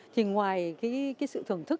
thì ngoài cái sự thưởng thức